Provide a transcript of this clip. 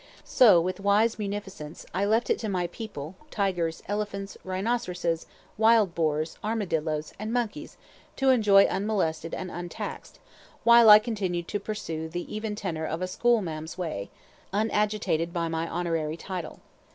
So, with wise munificence, I left it to my people, tigers, elephants, rhinoceroses, wild boars, armadillos, and monkeys to enjoy unmolested and untaxed, while I continued to pursue the even tenor of a "school marm's" way, unagitated by my honorary title.